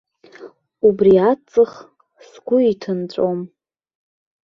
Убри аҵых сгәы иҭынҵәом.